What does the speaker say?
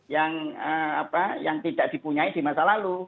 yang apa yang tidak dipunyai di masa lalu